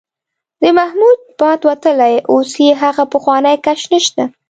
د محمود باد وتلی، اوس یې هغه پخوانی کش نشته.